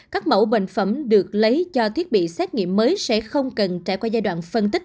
các mẫu bệnh phẩm được lấy cho thiết bị xét nghiệm mới sẽ không cần trải qua giai đoạn phân tích